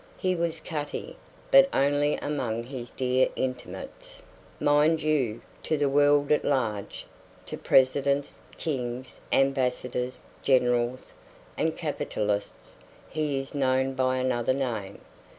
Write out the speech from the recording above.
He was Cutty, but only among his dear intimates, mind you; to the world at large, to presidents, kings, ambassadors, generals, and capitalists he is known by another name.